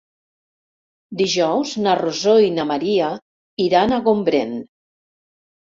Dijous na Rosó i na Maria iran a Gombrèn.